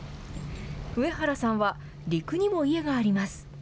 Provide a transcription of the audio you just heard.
上原さんは陸にも家があります。